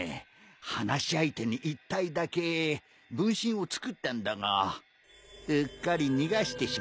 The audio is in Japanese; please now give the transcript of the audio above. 話し相手に一体だけ分身をつくったんだがうっかり逃がしてしまった。